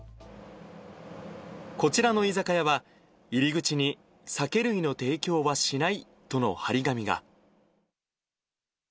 こちらの居酒屋は、入り口に酒類の提供はしないとの貼り紙が。